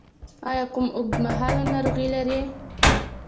ایا کومه اوږدمهاله ناروغي لرئ؟